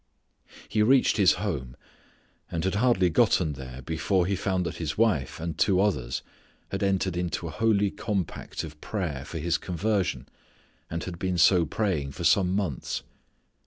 He reached his home and had hardly gotten there before he found that his wife and two others had entered into a holy compact of prayer for his conversion, and had been so praying for some months.